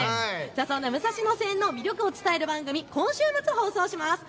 武蔵野線の魅力を伝える番組、今週末、放送します。